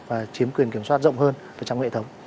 và chiếm quyền kiểm soát rộng hơn trong hệ thống